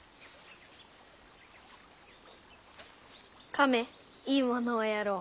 亀いいものをやろう。